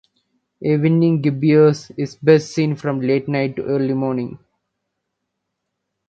A waning gibbous is best seen from late night to early morning.